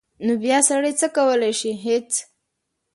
نو بیا سړی څه کولی شي هېڅ.